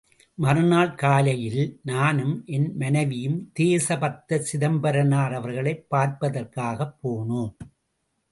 மறுநாள் காலையில் நானும் என் மனைவியும் தேச பக்தர் சிதம்பரனார் அவர்களைப் பார்ப்பதற்காகப் போனோம்.